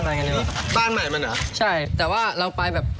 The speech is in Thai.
เฮ้ยมาได้ไงเนี่ย